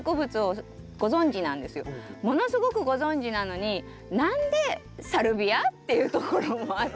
ものすごくご存じなのに何でサルビア？っていうところもあったり。